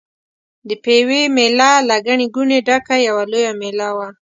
د پېوې مېله له ګڼې ګوڼې ډکه یوه لویه مېله وه.